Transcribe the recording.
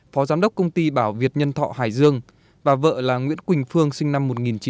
phó giám đốc công ty bảo việt nhân thọ hải dương và vợ là nguyễn quỳnh phương sinh năm một nghìn chín trăm tám mươi